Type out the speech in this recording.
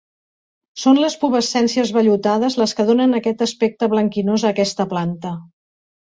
Són les pubescències vellutades les que donen aquest aspecte blanquinós a aquesta planta.